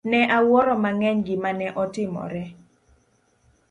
Ne awuoro mang'eny gima ne otimore.